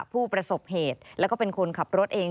ผู้ประสบเหตุแล้วก็เป็นคนขับรถเอง